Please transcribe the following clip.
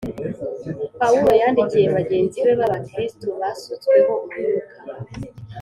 Pawulo yandikiye bagenzi be b’Abakristo basutsweho umwuka